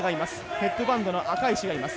ヘッドバンドの赤石がいます。